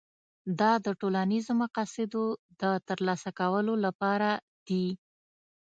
دا د ټولنیزو مقاصدو د ترلاسه کولو لپاره دي.